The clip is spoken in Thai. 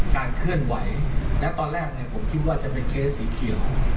การเคลื่อนไหวแล้วตอนแรกผมคิดว่าจะเป็นเคสสีเขียว